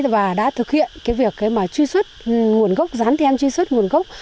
và đã thực hiện việc truy xuất nguồn gốc gián tem truy xuất nguồn gốc